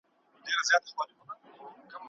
زه کولای سم کتاب ولولم.